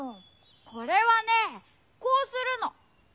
これはねこうするの。